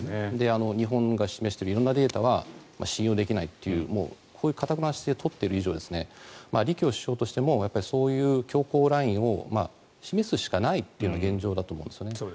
日本が示している色んなデータは信用できないというかたくなな姿勢を取っている以上は李強首相としてもそういう強硬ラインを示すしかないというのが現状だと思います。